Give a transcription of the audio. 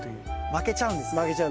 負けちゃうんですね。